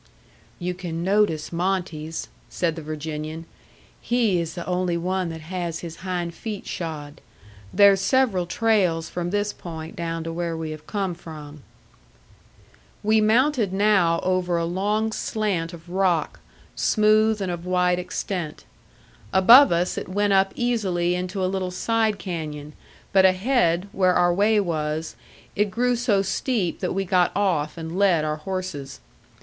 "You can notice Monte's," said the Virginian. "He is the only one that has his hind feet shod. There's several trails from this point down to where we have come from." We mounted now over a long slant of rock, smooth and of wide extent. Above us it went up easily into a little side canyon, but ahead, where our way was, it grew so steep that we got off and led our horses.